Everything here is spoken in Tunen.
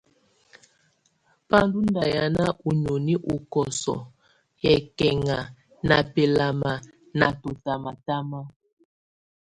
Bá ndɔ̀ ndà hìána ú nìóni ú kɔsɔɔ̀ yɛkɛŋa ná bɛlama ná tɔtamatama.